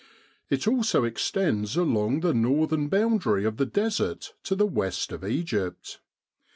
It also extends along the northern boundary of the Desert to the west of Egypt.